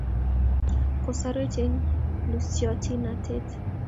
kosarwech en lusyotin natet